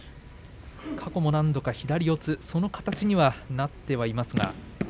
過去も、なんとか左四つその形にはなっています。